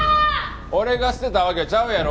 俺が捨てたわけちゃうやろ。